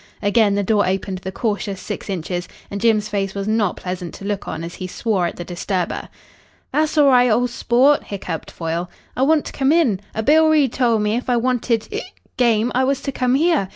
Again the door opened the cautious six inches, and Jim's face was not pleasant to look on as he swore at the disturber. "Tha'ss allri', ol' sport," hiccoughed Foyle. "I want to come in. A Bill Reid tol' me if I wanted hic game I was to come here.